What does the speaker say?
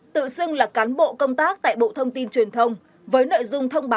tự xưng là cán bộ công tác tại bộ thông tin truyền thông